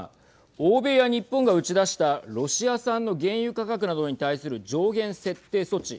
欧米や日本が打ち出したロシア産の原油価格などに対する上限設定措置